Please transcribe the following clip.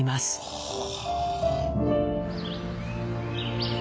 はあ。